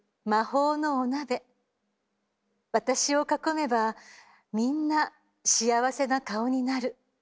私を囲めばみんな幸せな顔になる。